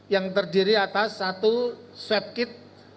yang terdiri atas satu swab kit